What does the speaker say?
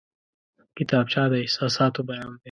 کتابچه د احساساتو بیان دی